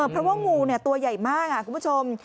เพราะว่างูตัวใหญ่มากคุณผู้ชม